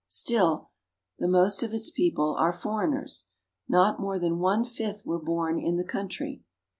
Still, the most of its people are foreigners. Not more than one fifth of them were born in the country.